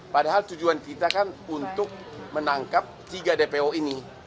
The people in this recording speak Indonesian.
padahal tujuan kita kan untuk menangkap tiga dpo ini